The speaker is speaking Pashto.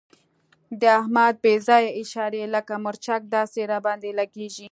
د احمد بې ځایه اشارې لکه مرچک داسې را باندې لګېږي.